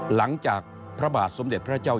หลังจากพระบาทสมเด็จพระเจ้า